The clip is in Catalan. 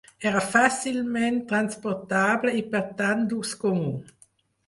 Era fàcilment transportable i per tant d'ús comú.